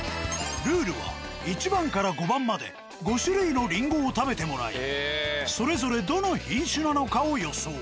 ルールは１番から５番まで５種類のりんごを食べてもらいそれぞれどの品種なのかを予想。